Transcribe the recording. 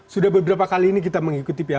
sudah beberapa kali ini kita mengikuti timnas